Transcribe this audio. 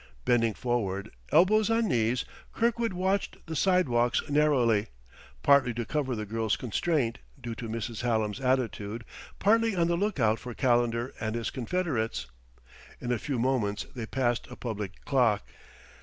Bending forward, elbows on knees, Kirkwood watched the sidewalks narrowly, partly to cover the girl's constraint, due to Mrs. Hallam's attitude, partly on the lookout for Calendar and his confederates. In a few moments they passed a public clock.